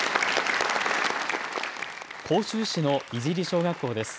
甲州市の井尻小学校です。